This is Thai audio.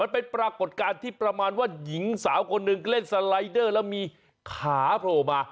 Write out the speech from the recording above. เป็นปรากฏการณ์ที่ประมาณว่าหญิงสาวคนหนึ่งเล่นสไลเดอร์แล้วมีขาโผล่มา